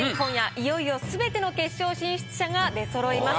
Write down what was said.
いよいよすべての決勝進出者が出揃います。